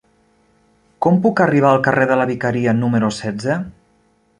Com puc arribar al carrer de la Vicaria número setze?